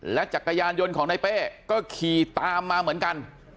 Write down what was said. จักรยานยนต์ของในเป้ก็ขี่ตามมาเหมือนกัน